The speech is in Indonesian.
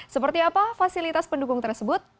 seperti apa fasilitas pendukung tersebut